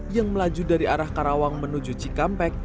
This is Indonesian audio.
yang melaju dari arah karawang menuju cikampek